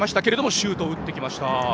シュートを打ってきました。